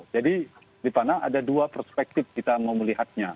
jadi di mana ada dua perspektif kita mau melihatnya